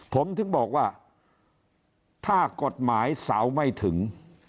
ผมถึงบอกว่าถ้ากฎหมายสาวไม่ถึง